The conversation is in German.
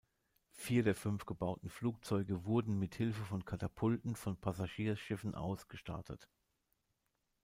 Vier der fünf gebauten Flugzeuge wurden mit Hilfe von Katapulten von Passagierschiffen aus gestartet.